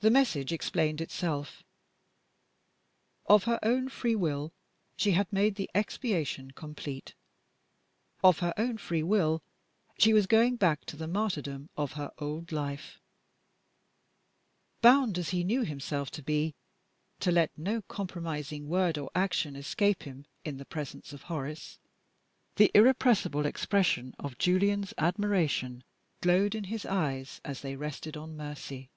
The message explained itself. Of her own free will she had made the expiation complete! Of her own free will she was going back to the martyrdom of her old life! Bound as he knew himself to be to let no compromising word or action escape him in the presence of Horace, the irrepressible expression of Julian's admiration glowed in his eyes as they rested on Mercy.